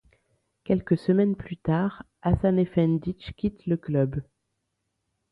Quelques semaines plus tard, Hasanefendić quitte le club.